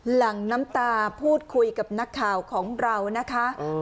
หลังน้ำตาพูดคุยกับนักข่าวของเรานะคะ